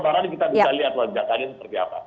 semalam semaran kita bisa lihat lonjakan ini seperti apa